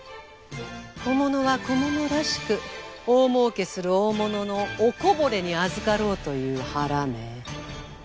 小物は小物らしく大もうけする大物のおこぼれに預かろうという腹ね。